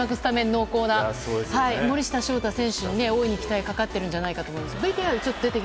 濃厚な森下翔太選手に大いに期待がかかっているんじゃないかと。